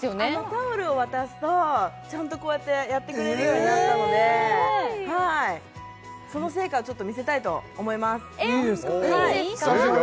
タオルを渡すとちゃんとこうやってやってくれるようになったのでその成果をちょっと見せたいと思いますいいですかスタジオで？